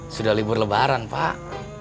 sudah libur lebaran pak